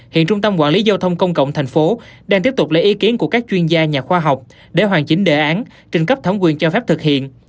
hiện trung tâm quản lý giao thông công cộng tp hcm đang tiếp tục lấy ý kiến của các chuyên gia nhà khoa học để hoàn chỉnh đề án trình cấp thống quyền cho phép thực hiện